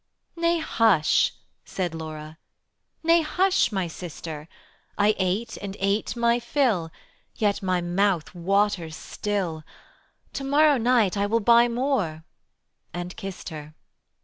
"Nay, hush," said Laura: "Nay, hush, my sister: I ate and ate my fill, Yet my mouth waters still; To morrow night I will Buy more," and kissed her.